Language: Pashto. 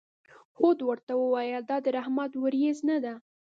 هود ورته وویل: دا د رحمت ورېځ نه ده.